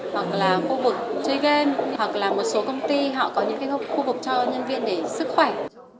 hoặc là khu vực chơi game hoặc là một số công ty họ có những khu vực cho nhân viên để sức khỏe